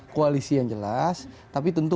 koalisi yang jelas tapi tentu